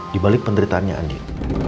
di balik penderitaannya andin